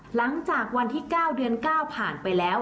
หลังจากวันที่๙เดือน๙ผ่านไปแล้ว